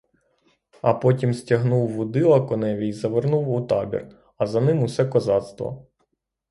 А потім стягнув вудила коневі й завернув у табір, а за ним усе козацтво.